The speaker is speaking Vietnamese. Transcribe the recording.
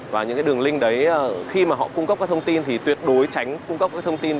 và những cái đường link đấy khi mà họ cung cấp các thông tin thì tuyệt đối tránh cung cấp các thông tin